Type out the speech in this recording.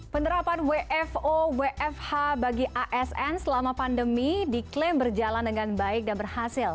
penerapan wfo wfh bagi asn selama pandemi diklaim berjalan dengan baik dan berhasil